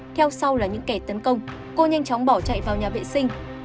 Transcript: theo sau là những kẻ tấn công cô nhanh chóng bỏ chạy vào nhà vệ sinh